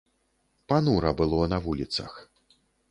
Панура было на вуліцах.